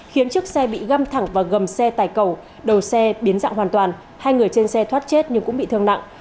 khiến chiếc xe bị găm thẳng vào gầm xe tải cầu đầu xe biến dạng hoàn toàn hai người trên xe thoát chết nhưng cũng bị thương nặng